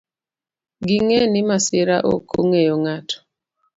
Ging'e ni masira ok ong'eyo ng'ato.